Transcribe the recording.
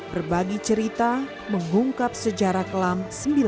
berbagi cerita mengungkap sejarah kelam seribu sembilan ratus sembilan puluh